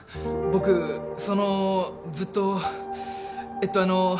僕そのずっとえっとあの。